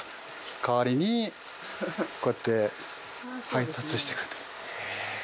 代わりにこうやって配達してくれてる。